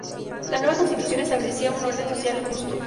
La nueva Constitución establecía un orden social justo.